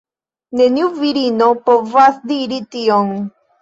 Neniu virino povas diri tion